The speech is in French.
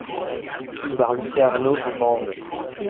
Boulevard Lucien Arnault à Mende